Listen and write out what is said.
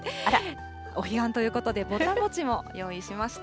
お彼岸ということで、ぼた餅も用意しました。